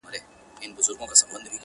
سپین لباس د فریشتو یې په تن کړی,